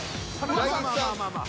まあまあまあまあ。